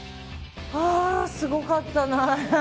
すごかったな。